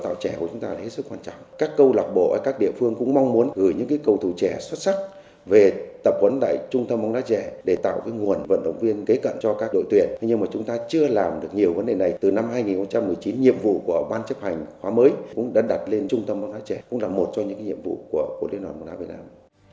từ năm hai nghìn một mươi chín nhiệm vụ của ban chấp hành khóa mới cũng đã đặt lên trung tâm bóng đá trẻ cũng là một trong những nhiệm vụ của liên hòa bóng đá việt nam